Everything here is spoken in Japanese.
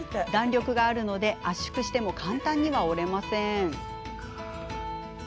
弾力があるので圧縮しても簡単には折れません。